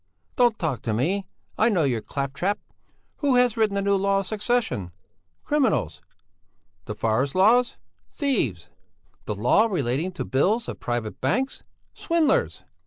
Don't talk to me! I know your claptrap. Who has written the new law of succession? Criminals! The forest laws? Thieves! The law relating to bills of private banks? Swindlers!